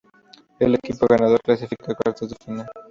El equipo ganador clasifica a Cuartos de Final.